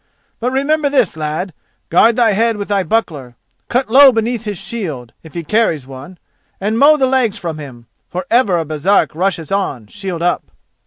But remember this, lad: guard thy head with thy buckler, cut low beneath his shield, if he carries one, and mow the legs from him: for ever a Baresark rushes on, shield up."